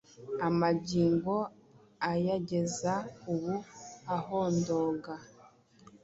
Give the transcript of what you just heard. Amagingo ayageza ubu.ahondoga